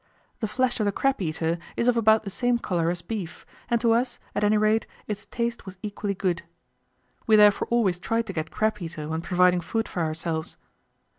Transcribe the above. The flesh of the crab eater is of about the same colour as beef, and to us, at any rate, its taste was equally good. We therefore always tried to get crab eater when providing food for ourselves.